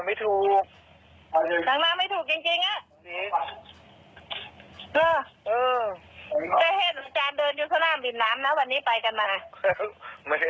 ไม่ต้องไปน้ำที่ตำนาน